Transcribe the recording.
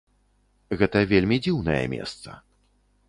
Гэта вельмі дзіўнае месца.